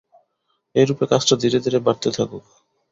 এইরূপে কাজটা ধীরে ধীরে বাড়তে থাকুক।